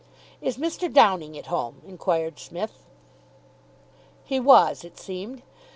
"Is Mr. Downing at home?" inquired Psmith. He was, it seemed.